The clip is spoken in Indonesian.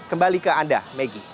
kembali ke anda megi